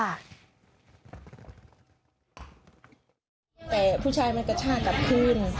แต่ผู้ชายมันกระชากกลับคืน